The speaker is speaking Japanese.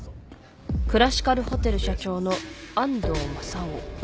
クラシカルホテル社長の安藤正夫。